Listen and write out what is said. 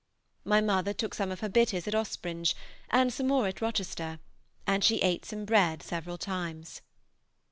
My mother took some of her bitters at Ospringe, and some more at Rochester, and she ate some bread several times.